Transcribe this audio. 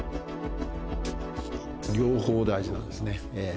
両方大事なんですね。